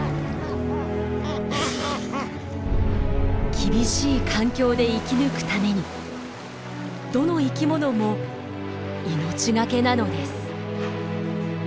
厳しい環境で生き抜くためにどの生きものも命懸けなのです。